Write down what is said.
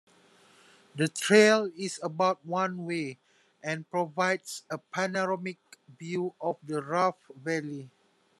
The trail is about one-way, and provides a panoramic view of the Rogue Valley.